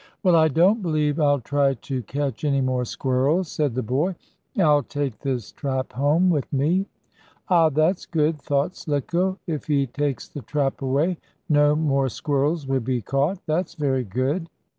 "Well, I don't believe I'll try to catch any more squirrels," said the boy. "I'll take this trap home with me." "Ah, that's good!" thought Slicko. "If he takes the trap away, no more squirrels will be caught. That's very good!"